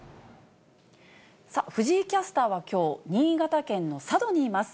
藤井キャスターはきょう、新潟県の佐渡にいます。